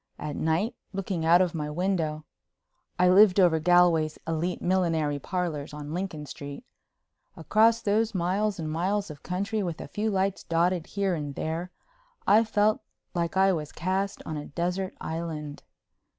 At night, looking out of my window—I lived over Galway's Elite Millinery Parlors on Lincoln Street—across those miles and miles of country with a few lights dotted here and there, I felt like I was cast on a desert island.